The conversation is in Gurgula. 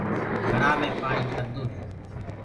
گھڙآ مي پآڻيٚ ٺردو هي